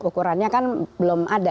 ukurannya kan belum ada